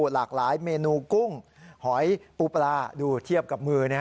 หลากหลายเมนูกุ้งหอยปูปลาดูเทียบกับมือ